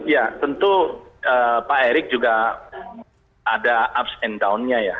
ya tentu pak erik juga ada ups and downnya ya